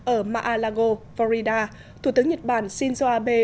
ở maalago florida thủ tướng nhật bản shinzo abe